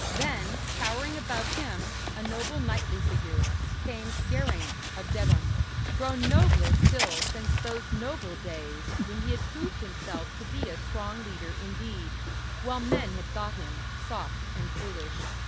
Then, towering above him, a noble knightly figure, came Geraint of Devon, grown nobler still since those noble days when he had proved himself to be a strong leader indeed, while men had thought him soft and foolish.